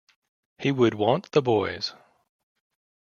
He would want the boys.